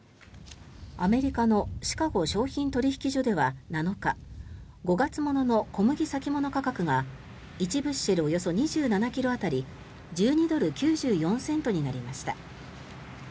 アメリカのシカゴ商品取引所では７日５月物の小麦先物価格が１ブッシェルおよそ２７ｋｇ当たり１２ドル９４セントになりました。